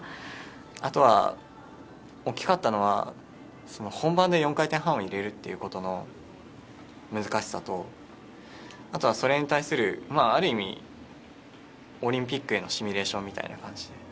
あとは大きかったのは本番で４回転半を入れるということの難しさとあとはそれに対するある意味オリンピックへのシミュレーションみたいな感じ。